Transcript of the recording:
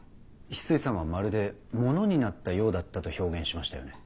翡翠さんはまるで物になったようだったと表現しましたよね？